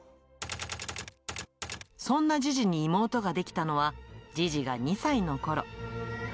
そんなジジに妹が出来たのは、ジジが２歳のころ。